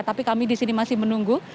tapi kami di sini masih menunggu